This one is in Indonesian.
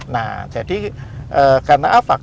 nah jadi karena apa